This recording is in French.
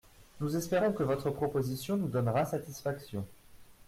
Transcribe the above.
Nous espérons que votre proposition nous donnera satisfaction.